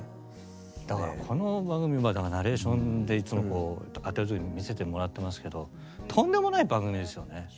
だからこの番組まあだからナレーションでいつもこうあてる時に見せてもらってますけどとんでもない番組ですよね。